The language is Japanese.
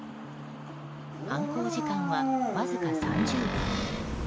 犯行時間は、わずか３０秒。